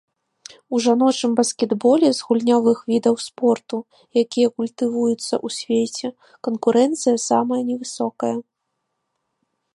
У жаночым баскетболе, з гульнявых відаў спорту, якія культывуюцца ў свеце, канкурэнцыя самая невысокая.